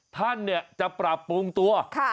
ท่านเนี่ยจะปรับปรุงตัวค่ะ